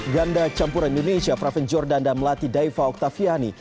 ganda campuran indonesia praven jordan dan melati daiva oktaviani